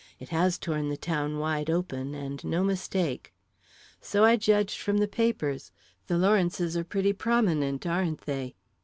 "It has torn the town wide open, and no mistake." "So I judged from the papers. The Lawrences are pretty prominent, aren't they?"